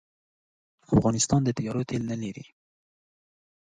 افغانستان د الوتکو تېل نه لري